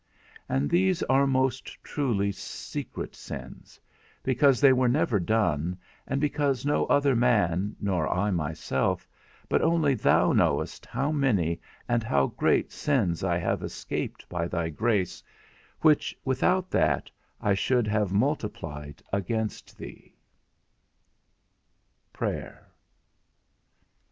And these are most truly secret sins, because they were never done, and because no other man, nor I myself, but only thou knowest, how many and how great sins I have escaped by thy grace, which, without that, I should have multiplied against thee. X. PRAYER.